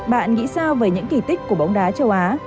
bạn nghĩ sao về những kỳ tích của bóng đá châu á